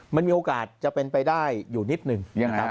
มันมีโอกาสจะเป็นไปได้อยู่นิดนึง